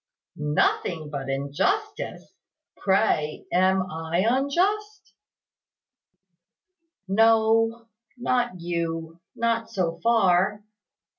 "Nothing but injustice! Pray, am I unjust?" "No not you not so far.